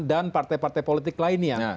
partai partai politik lainnya